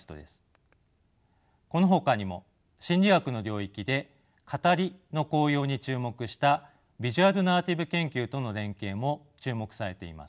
このほかにも心理学の領域で語りの効用に注目したビジュアル・ナラティブ研究との連携も注目されています。